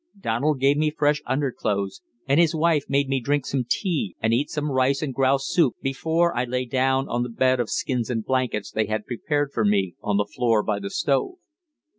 Donald gave me fresh underclothes, and his wife made me drink some tea and eat some rice and grouse soup before I lay down on the bed of skins and blankets they had prepared for me on the floor by the stove.